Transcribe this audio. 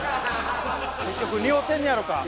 結局似合うてんねやろか？